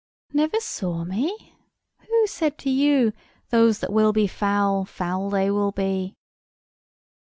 "Never saw me? Who said to you, Those that will be foul, foul they will be?"